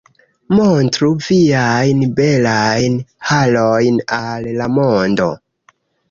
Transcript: Montru viajn belajn harojn al la mondo